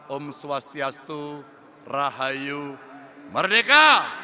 om swastiastu rahayu merdeka